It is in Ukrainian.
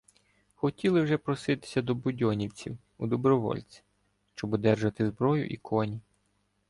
Хотіли вже проситися до будьонівців у "добровольці", щоб одержати зброю і коні.